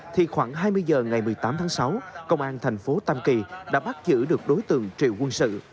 thì khoảng hai mươi h ngày một mươi tám tháng sáu công an thành phố tam kỳ đã bắt giữ được đối tượng triệu quân sự